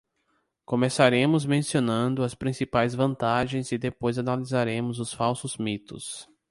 Começaremos mencionando as principais vantagens e depois analisaremos os falsos mitos.